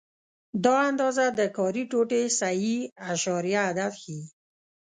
دا اندازه د کاري ټوټې صحیح اعشاریه عدد ښيي.